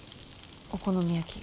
お好み焼き。